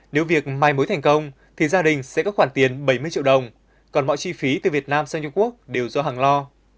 nếu việc mai mối thành công thì gia đình sẽ có khoản tiền bảy mươi triệu đồng còn mọi chi phí từ việt nam sang trung quốc đều do hàng lo